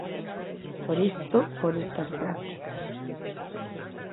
Por isto, por estas prácticas.